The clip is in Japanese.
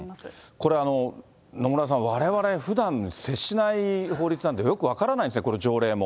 これ、野村さん、われわれふだん接しない法律なんで、よく分からないんですね、これ、条例も。